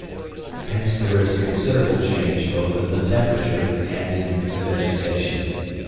Hence there is a considerable change both in the temperature and in the vegetation.